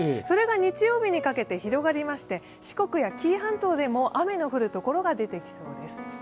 それが日曜日にかけて広がりまして四国や紀伊半島でも雨の降るところが出てきそうです。